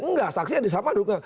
nggak saksi ada yang sama duduknya